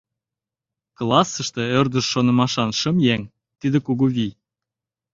Классыште ӧрдыж шонымашан шым еҥ — тиде кугу вий.